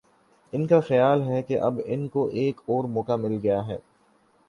ان کا خیال ہے کہ اب ان کو ایک اور موقع مل گیا ہے۔